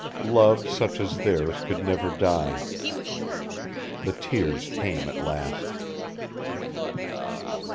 Love such as theirs could never die... The tears came at last.